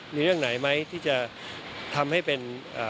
มีเรื่องไหนไหมที่จะทำให้เป็น